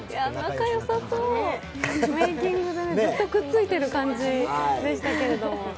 仲よさそう、メイキングで、ずっとくっついてる感じでしたけど。